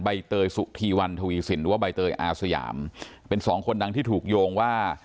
ใบเตยสุธีวันทวีสินหรือว่าใบเตยอาสยามเป็นสองคนดังที่ถูกโยงว่า